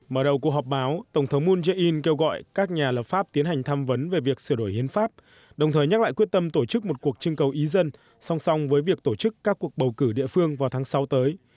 mở đầu cuộc họp báo tổng thống moon jae in kêu gọi các nhà lập pháp tiến hành tham vấn về việc sửa đổi hiến pháp đồng thời nhắc lại quyết tâm tổ chức một cuộc trưng cầu ý dân song song với việc tổ chức các cuộc bầu cử địa phương vào tháng sáu tới